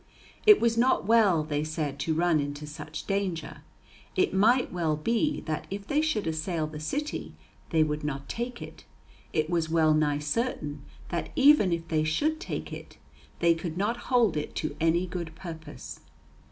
It was not well, they said to run into such danger. It might well be that if they should assail the city they would not take it; it was well nigh certain that even if they should take it, they could not hold it to any good purpose.